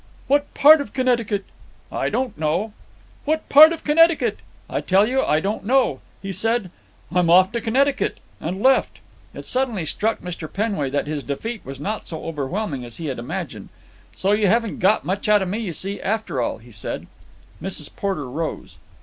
"What part of Connecticut?" "I don't know." "What part of Connecticut?" "I tell you I don't know. He said: 'I'm off to Connecticut,' and left." It suddenly struck Mr. Penway that his defeat was not so overwhelming as he had imagined. "So you haven't got much out of me, you see, after all," he added. Mrs. Porter rose.